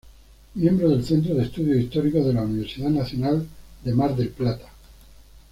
Miembro del Centro de Estudios Históricos de la Universidad Nacional de Mar del Plata.